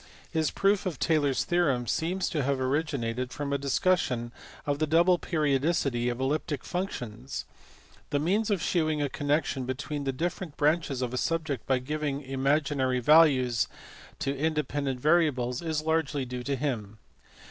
His proof of Taylor s theorem seems to have originated from a discussion of the double periodicity of elliptic functions. The means of shewing a connection between different branches of a subject by giving imaginary values to independent variables is largely due to him.